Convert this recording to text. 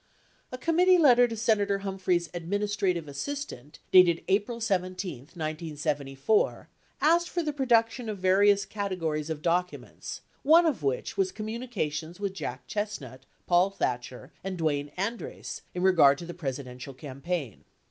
91 A committee letter to Senator Humphrey's Administrative Assist ant dated April 17, 1974 asked for the production of various categories of documents, one of which was communications with Jack Chestnut, Paul Thatcher, and Dwayne Andreas in regard to the Presidential campaign.